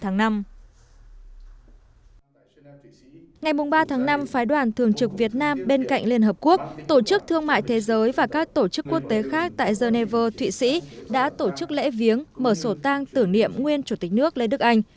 ngày ba tháng năm phái đoàn thường trực việt nam bên cạnh liên hợp quốc tổ chức thương mại thế giới và các tổ chức quốc tế khác tại geneva thụy sĩ đã tổ chức lễ viếng mở sổ tăng tử niệm nguyên chủ tịch nước lê đức anh